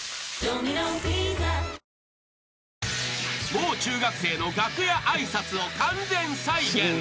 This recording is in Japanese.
［もう中学生の楽屋挨拶を完全再現］